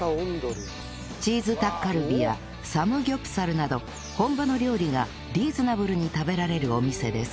チーズタッカルビやサムギョプサルなど本場の料理がリーズナブルに食べられるお店です